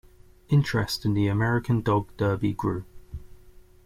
Interest in the American Dog Derby grew.